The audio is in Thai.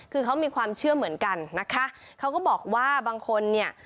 คือเขามีความเชื่อเหมือนกันนะคะเขาก็บอกว่าบางคนเนี่ย